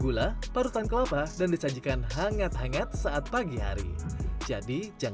kue buroncok terbuat dari campuran tepung serta kue pancong